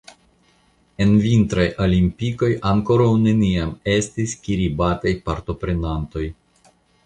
En vintraj olimpikoj ankoraŭ neniam estis kiribataj partoprenantoj.